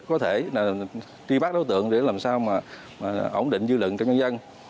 có thể tri bác đối tượng để làm sao ổn định dư luận cho nhân dân